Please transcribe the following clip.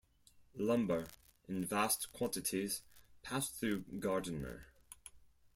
Lumber, in vast quantities, passed through Gardiner.